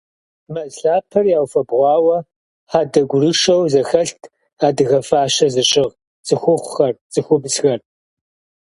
Мэз лъапэр яуфэбгъуауэ хьэдэ гурышэу зэхэлът адыгэ фащэ зыщыгъ цӀыхухъухэр, цӀыхубзхэр.